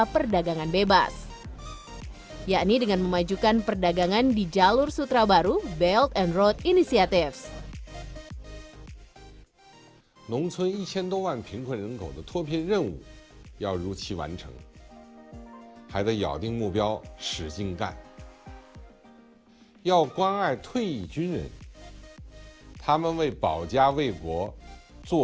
pernyataan ini dilontarkan putin menyambut tahun baru dua ribu sembilan belas